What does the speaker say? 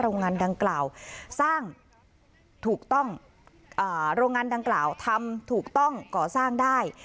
โรงงานดังกล่าวสร้างถูกต้องโรงงานดังกล่าวทำถูกต้องก่อสร้างได้